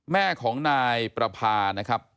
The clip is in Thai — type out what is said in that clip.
แม่ของนายประพานะครับ